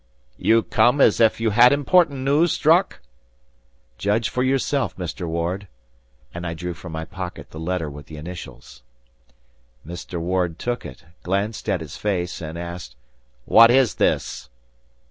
"You come as if you had important news, Strock?" "Judge for yourself, Mr. Ward;" and I drew from my pocket the letter with the initials. Mr. Ward took it, glanced at its face, and asked, "What is this?"